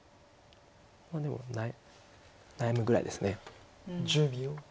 悩むぐらいです。